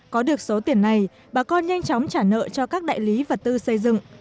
có được số tiền này bà con nhanh chóng trả nợ cho các đại lý vật tư xây dựng